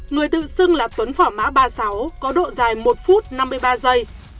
người tự xưng là tuấn phỏ mã ba mươi sáu có độ dài một phút năm mươi ba giây